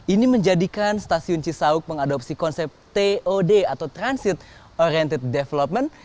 ini menjadikan stasiun cisauk mengadopsi konsep tod atau transit oriented development